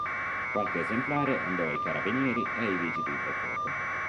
Qualche esemplare andò ai Carabinieri e ai Vigili del Fuoco.